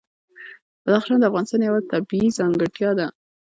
بدخشان د افغانستان یوه طبیعي ځانګړتیا ده.